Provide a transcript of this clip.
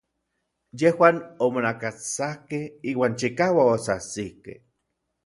Yejuan omonakastsakkej iuan chikauak otsajtsikej.